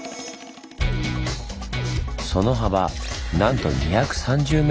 その幅なんと２３０ｍ。